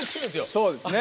そうですね